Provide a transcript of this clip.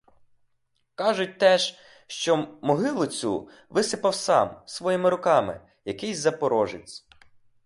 Кажуть теж, що могилу цю висипав сам, своїми руками, якийсь запорожець.